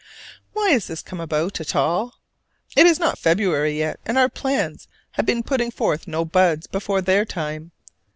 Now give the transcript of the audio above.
Why has this come about at all? It is not February yet: and our plans have been putting forth no buds before their time.